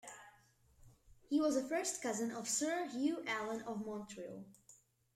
He was a first cousin of Sir Hugh Allan of Montreal.